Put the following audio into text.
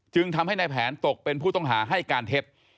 ทำให้ในแผนตกเป็นผู้ต้องหาให้การเท็จ